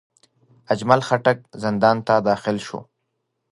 اجمل خټک زندان ته داخل شو.